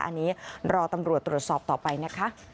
อันนี้รอตำรวจตรวจสอบต่อไปนะคะ